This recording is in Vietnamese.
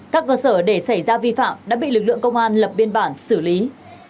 các cơ sở để xảy ra vi phạm đã bị lực lượng công an lập biên bản xử lý